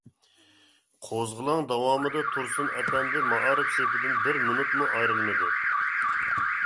قوزغىلاڭ داۋامىدا تۇرسۇن ئەپەندى مائارىپ سېپىدىن بىر مىنۇتمۇ ئايرىلمىدى.